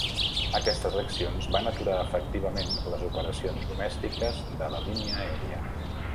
Aquestes accions van aturar efectivament les operacions domèstiques de la línia aèria.